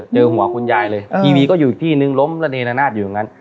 เจอหัวคุณยายเลยทีวีก็อยู่อีกที่นึงล้มระเนรนาศอยู่ตรงนั้น